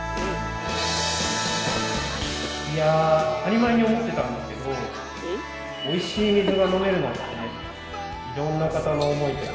いや当たり前に思ってたんですけどおいしい水が飲めるのっていろんな方の思いとか。